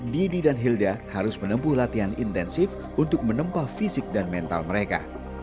didi dan hilda harus menempuh latihan intensif untuk menempah fisik dan mental mereka